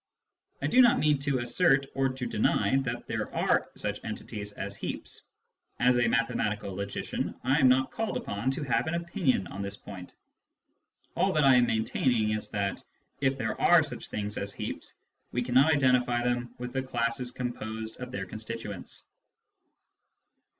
I do not mean to assert, or to deny, that there are such entities as " heaps." As a mathematical logician, I am not called upon to have an opinion on this point. All that I am maintaining is that, if there are such things as heaps, we cannot identify them with the classes composed of their constituents.